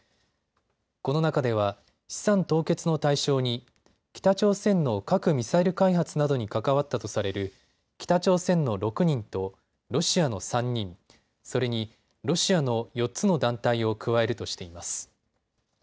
この中では、資産凍結の対象に北朝鮮の核・ミサイル開発などに関わったとされる北朝鮮の６人とロシアの３人、それにロシアの４つの団体を加えるとしています。